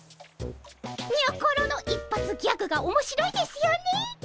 にょころの一発ギャグがおもしろいですよねえ。